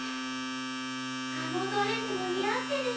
あのドレスも似合ってる。